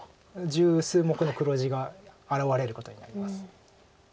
十数目の黒地が現れることになります。